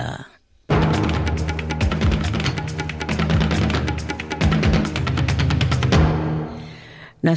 kembali ke komiten senat